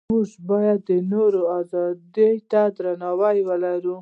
موږ باید د نورو ازادۍ ته درناوی ولرو.